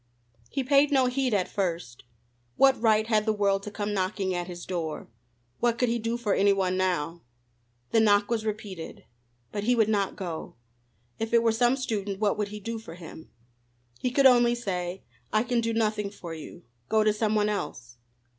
He paid no heed at first. What right had the world to come knocking at his door? What could he do for any one now? The knock was repeated. But he would not go. If it were some student, what could he do for him? He could only say: "I can do nothing for you. Go to some one else."